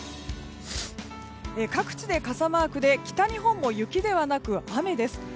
各地で傘マークで北日本も雪ではなく雨です。